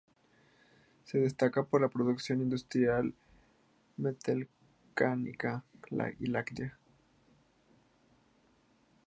Se destaca por su producción industrial metalmecánica y láctea.